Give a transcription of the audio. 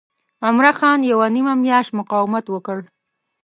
عمرا خان یوه نیمه میاشت مقاومت وکړ.